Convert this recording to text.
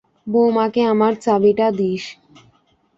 বউমাকে আমার চাবিটা দিস।